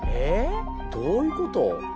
どういうこと？